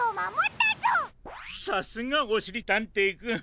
さすがおしりたんていくん。